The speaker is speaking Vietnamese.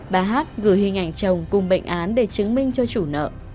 bà hát gửi hình ảnh chồng cùng bệnh án để chứng minh cho chủ nợ